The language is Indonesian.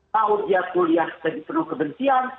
mau dia kuliah penuh kebencian